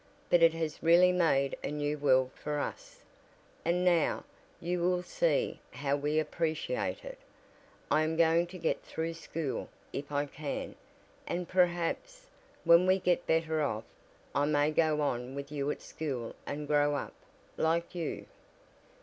But it has really made a new world for us, and now, you will see how we appreciate it. I am going to get through school, if I can, and perhaps, when we get better off, I may go on with you at school and grow up like you."